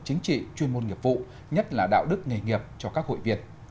chính trị chuyên môn nghiệp vụ nhất là đạo đức nghề nghiệp cho các hội viên